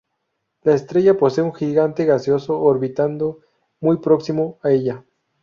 La estrella posee un gigante gaseoso orbitando muy próximo a ella.